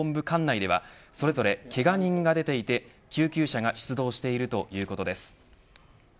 管内ではけが人が出ていて救急車が出動しているということです。